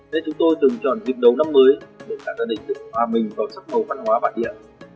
đây chúng tôi từng chọn việc đấu năm mới để tạo ra định tự hòa mình vào sắc màu văn hóa bản địa